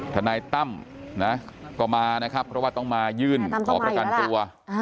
ทนายตั้มนะก็มานะครับเพราะว่าต้องมายื่นขอประกันตัว